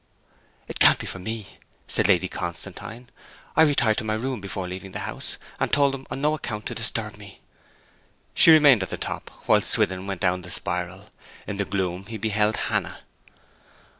'It can't be for me!' said Lady Constantine. 'I retired to my room before leaving the house, and told them on no account to disturb me.' She remained at the top while Swithin went down the spiral. In the gloom he beheld Hannah.